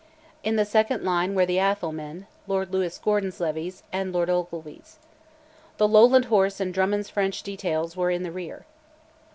In the second line were the Atholl men, Lord Lewis Gordon's levies, and Lord Ogilvy's. The Lowland horse and Drummond's French details were in the rear.